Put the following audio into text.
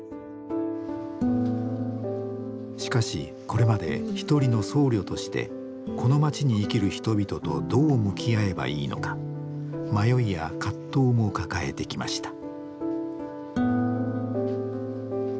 しかしこれまで一人の僧侶としてこの街に生きる人々とどう向き合えばいいのか迷いや葛藤も抱えてきました。